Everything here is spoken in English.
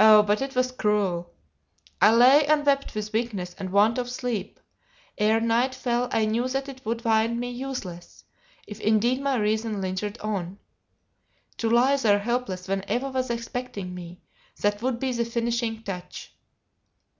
Oh, but it was cruel! I lay and wept with weakness and want of sleep; ere night fell I knew that it would find me useless, if indeed my reason lingered on. To lie there helpless when Eva was expecting me, that would be the finishing touch.